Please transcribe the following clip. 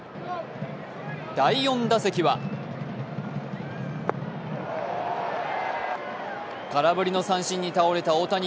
第４打席は空振りの三振に倒れた大谷。